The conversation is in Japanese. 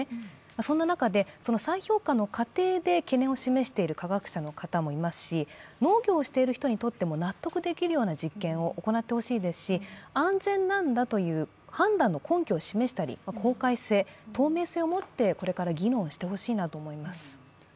そんな中で、再評価の過程で懸念を示している科学者の方もいますし、農業をしている人にとっても納得できるような実験を行ってほしいですし、安全なんだという判断の根拠を示したり公開性、透明性を持ってこれから議論してほしいなと思います。